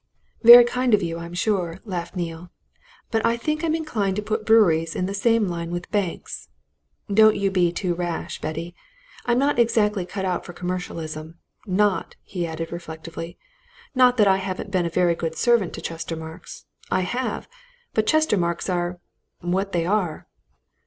"Very kind of you, I'm sure," laughed Neale. "But I think I'm inclined to put breweries in the same line with banks. Don't you be too rash, Betty I'm not exactly cut out for commercialism. Not," he added reflectively, "not that I haven't been a very good servant to Chestermarke's. I have! But Chestermarkes are what they are!"